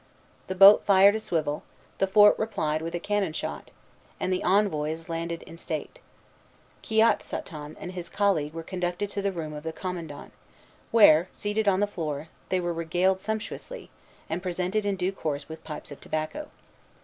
The boat fired a swivel, the fort replied with a cannon shot, and the envoys landed in state. Kiotsaton and his colleague were conducted to the room of the commandant, where, seated on the floor, they were regaled sumptuously, and presented in due course with pipes of tobacco.